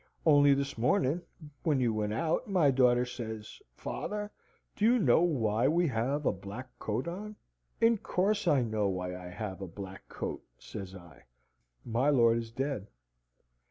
Only this mornin', when you went out, my darter says, 'Father, do you know why you have a black coat on?' 'In course I know why I have a black coat,' says I. 'My lord is dead.